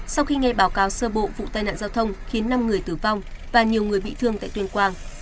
sau khi nghe báo cáo sơ bộ vụ tai nạn giao thông khiến năm người tử vong và nhiều người bị thương tại tuyên quang